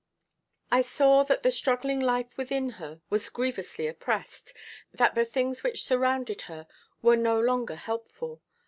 I saw that the struggling life within her was grievously oppressed, that the things which surrounded her were no longer helpful.